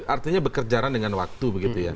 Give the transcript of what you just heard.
artinya bekerja dengan waktu